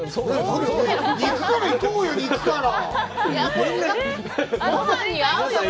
肉から行こうよ、肉から。